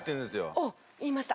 おっ言いました。